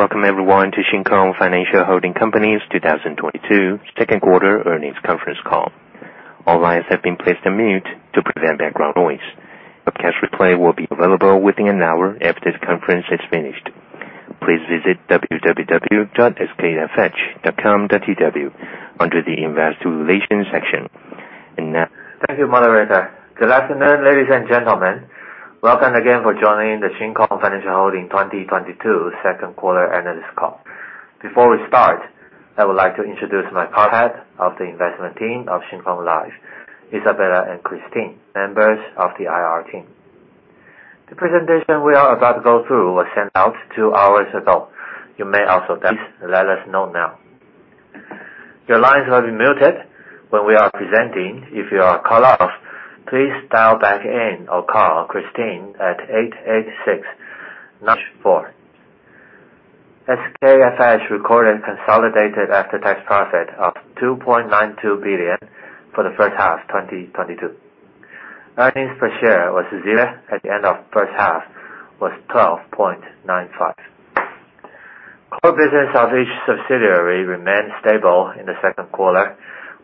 Welcome everyone to Shin Kong Financial Holding Company's 2022 Second Quarter Earnings Conference Call. All lines have been placed on mute to prevent background noise. Webcast replay will be available within an hour after the conference is finished. Please visit www.skfh.com.tw under the Investor Relations section. Now. Thank you, Moderator. Good afternoon, ladies and gentlemen. Welcome again for joining the Shin Kong Financial Holding 2022 second quarter analyst call. Before we start, I would like to introduce my cohort of the investment team of Shin Kong Life, Isabella and Christine, members of the IR team. The presentation we are about to go through was sent out two hours ago. Please let us know now. Your lines will be muted when we are presenting. If you are cut off, please dial back in or call Christine at [886-94] SKFH recorded consolidated after-tax profit of 2.92 billion for the first half 2022. Earnings per share was TWD 12.95 at the end of first half. Core business of each subsidiary remained stable in the second quarter,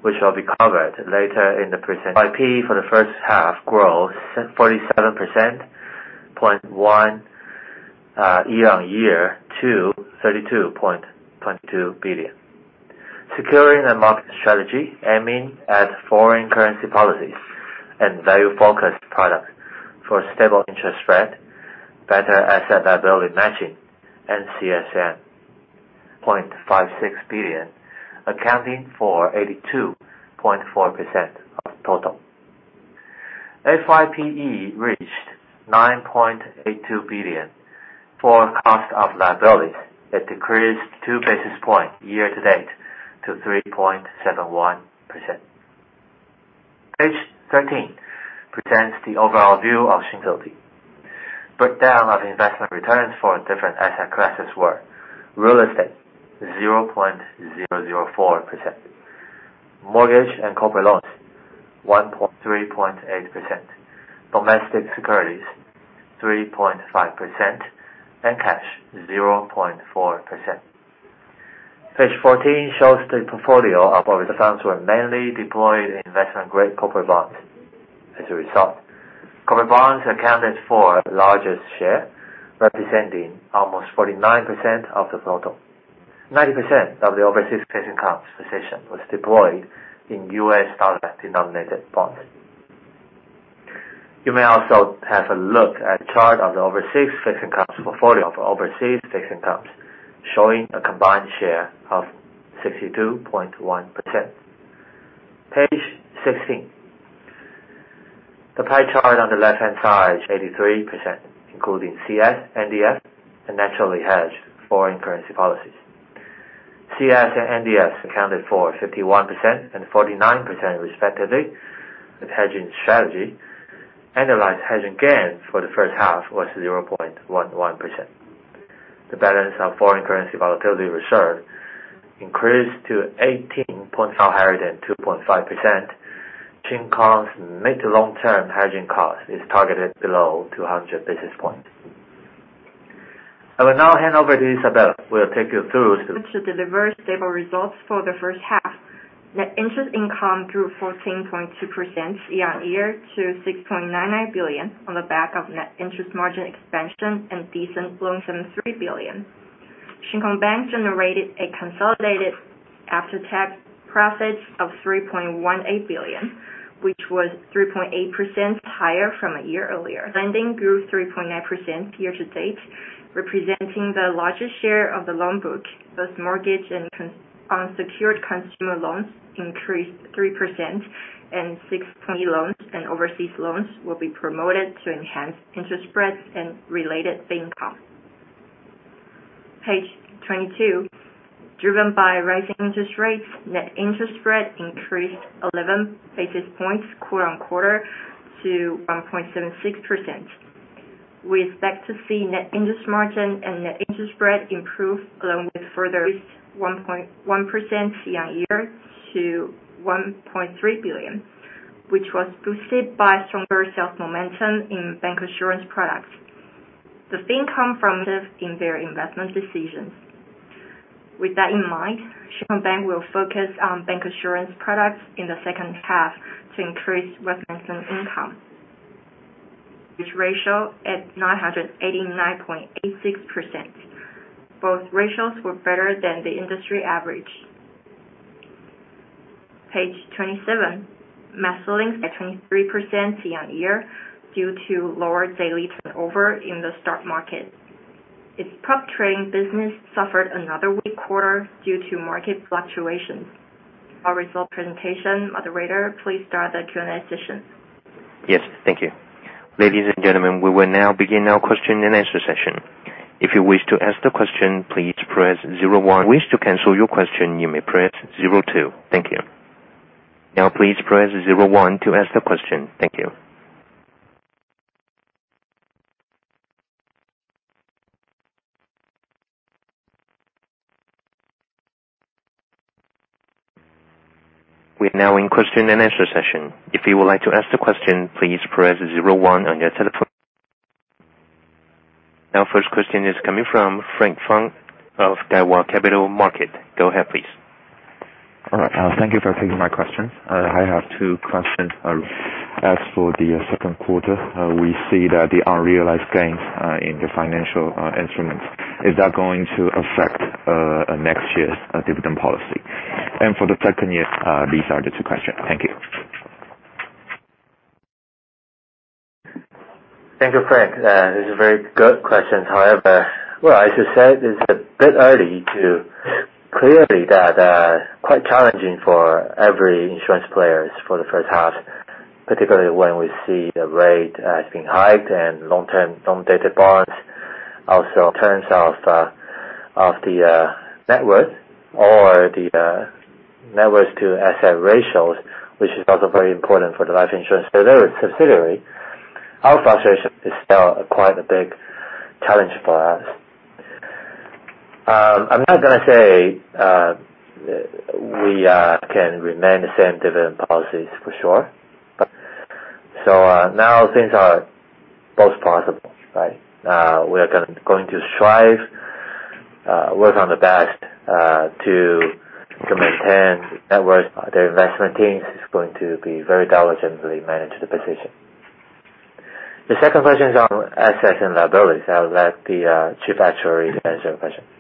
which will be covered later in the presentation. FYP for the first half growth 47.1% year-on-year to 32.22 billion. Securing the market strategy aiming at foreign currency policies and value-focused products for stable interest rate, better asset liability matching, and CSM. TWD 0.56 billion, accounting for 82.4% of total. FYPE reached 9.82 billion for cost of liabilities. It decreased 2 basis points year-to-date to 3.71%. Page 13 presents the overall view of Shin Kong Life. Breakdown of investment returns for different asset classes were real estate, 0.004%, mortgage and corporate loans, 1.38%, domestic securities, 3.5%, cash, 0.4%. Page 14 shows the portfolio. Our returns were mainly deployed in investment-grade corporate bonds. As a result, corporate bonds accounted for the largest share, representing almost 49% of the total. 90% of the overseas fixed income position was deployed in U.S. dollar-denominated bonds. You may also have a look at chart of the overseas fixed income portfolio for overseas fixed incomes, showing a combined share of 62.1%. Page 16. The pie chart on the left-hand side, 83%, including CS, NDF, and naturally hedged foreign currency policies. CS and NDFs accounted for 51% and 49% respectively with hedging strategy. Annualized hedging gain for the first half was 0.11%. The balance of foreign currency volatility reserve increased to 18 points now higher than 2.5%. Shin Kong's mid- to long-term hedging cost is targeted below 200 basis points. I will now hand over to Isabella, who will take you through. To deliver stable results for the first half. Net interest income grew 14.2% year-on-year to 6.99 billion on the back of net interest margin expansion and decent loans of 3 billion. Shin Kong Bank generated a consolidated after-tax profit of 3.18 billion, which was 3.8% higher from a year earlier. Lending grew 3.9% year-to-date, representing the largest share of the loan book. Both mortgage and consumer loans increased 3% and 6%. Loans and overseas loans will be promoted to enhance interest spreads and related fee income. Page 22. Driven by rising interest rates, net interest spread increased 11 basis points quarter-on-quarter to 1.76%. We expect to see net interest margin and net interest spread improve along with further. Increased 1.1% year-on-year to 1.3 billion, which was boosted by stronger sales momentum in bancassurance products. With that in mind, Shin Kong Bank will focus on bancassurance products in the second half to increase reference income. Which ratio at 989.86%. Both ratios were better than the industry average. Page 27. [MasterLink] at 23% year-on-year due to lower daily turnover in the stock market. Its prop trading business suffered another weak quarter due to market fluctuations. Our results presentation, Moderator, please start the Q&A session. Yes. Thank you. Ladies and gentlemen, we will now begin our question-and-answer session. If you wish to ask the question, please press zero one. If you wish to cancel your question, you may press zero two. Thank you. Now, please press zero one to ask the question. Thank you. We are now in question-and-answer session. If you would like to ask the question, please press zero one on your telephone. Our first question is coming from Frank Fang of Daiwa Capital Markets. Go ahead, please. All right. Thank you for taking my question. I have two questions. As for the second quarter, we see that the unrealized gains in the financial instruments, is that going to affect next year's dividend policy? For the second year, these are the two questions. Thank you. Thank you, Frank. This is a very good question. However, I should say it's a bit early. Clearly, it's quite challenging for every insurance players for the first half, particularly when we see the rate has been hiked and long-dated bonds also turn soft, affecting the net worth or the net worth to asset ratios, which is also very important for the life insurance subsidiary. Our situation is still quite a big challenge for us. I'm not going to say we can remain the same dividend policies for sure. Now things are both possible, right? We are going to strive to work on the best to maintain net worth. Their investment team is going to very diligently manage the position. The second question is on assets and liabilities. I'll let the chief actuary answer your question.